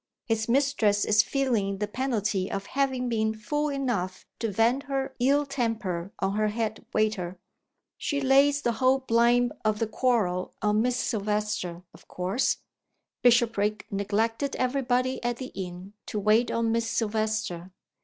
His mistress is feeling the penalty of having been fool enough to vent her ill temper on her head waiter. She lays the whole blame of the quarrel on Miss Silvester, of course. Bishopriggs neglected every body at the inn to wait on Miss Silvester.